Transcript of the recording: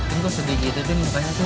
ini kok sedih gitu din